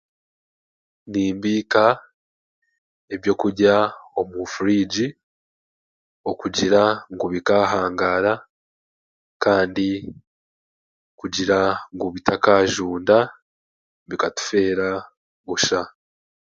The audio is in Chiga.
Nimbika eby'okurya omu furiigi okugira ngu bikahaangara kandi kujira ngu bitakajunda bikatufeera busha.